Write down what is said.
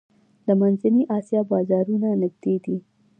د منځنۍ اسیا بازارونه نږدې دي